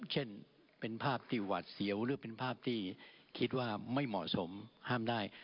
เช่นเป็นภาพที่หวัดเสียวหรือเป็นภาพที่คิดว่าไม่เหมาะสมห้ามได้